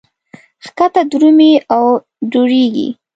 ښکته درومي او دوړېږي.